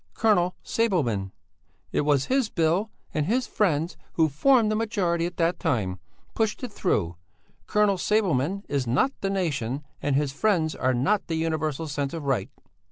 Colonel Sabelman it was his Bill, and his friends, who formed the majority at that time, pushed it through. Colonel Sabelman is not the nation and his friends are not the universal sense of right.